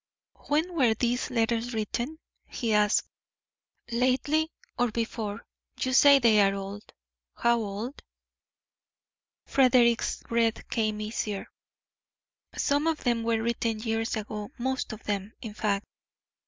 "When were these letters written?" he asked. "Lately, or before You say they are old; how old?" Frederick's breath came easier. "Some of them were written years ago most of them, in fact.